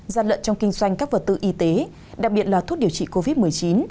gian lận trong kinh doanh các vật tư y tế đặc biệt là thuốc điều trị covid một mươi chín